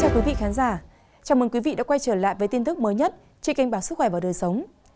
chào mừng quý vị đã quay trở lại với tin tức mới nhất trên kênh báo sức khỏe và đời sống